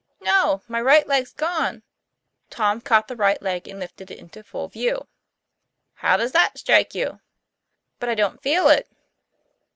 'No: my right leg's gone. " Tom caught the right leg and lifted it into full vew. ' How does that strike you ?" "But I don't feel it."